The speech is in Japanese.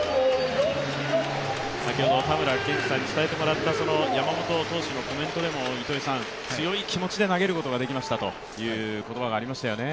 先ほどたむらけんじさんに伝えてもらった山本投手のコメントでも強い気持ちで投げることができましたという言葉がありましたよね。